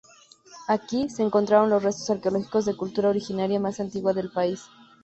Aquí, se encontraron los restos arqueológicos de cultura originaria más antiguos del país.